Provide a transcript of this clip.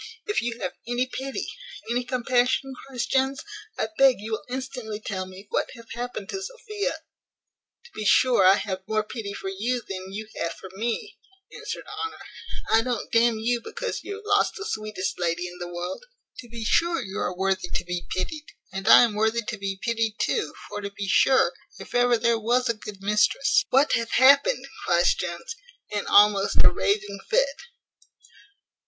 "If you have any pity, any compassion," cries Jones, "I beg you will instantly tell me what hath happened to Sophia?" "To be sure, I have more pity for you than you have for me," answered Honour; "I don't d n you because you have lost the sweetest lady in the world. To be sure you are worthy to be pitied, and I am worthy to be pitied too: for, to be sure, if ever there was a good mistress " "What hath happened?" cries Jones, in almost a raving fit.